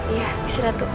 iya gusir atu